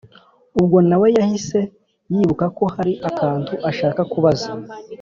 ubwo na we yahise yibuka ko hari akantu ashaka kubaza